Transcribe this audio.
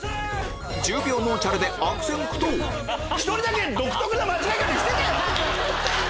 １０秒脳チャレで悪戦苦闘１人だけ独特な間違い方してたよ！